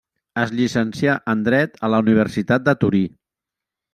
Es llicencià en dret a la Universitat de Torí.